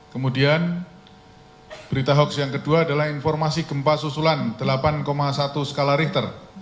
kemudian berita hoax yang kedua adalah informasi gempa susulan delapan satu skala richter